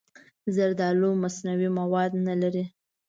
زردالو مصنوعي مواد نه لري.